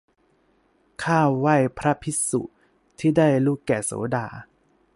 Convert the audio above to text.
ข้าไหว้พระภิกษุ ที่ได้ลุแก่โสดา